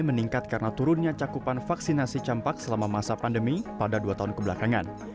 meningkat karena turunnya cakupan vaksinasi campak selama masa pandemi pada dua tahun kebelakangan